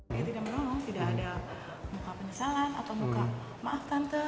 saya tidak menolong tidak ada muka penyesalan atau muka maaf tante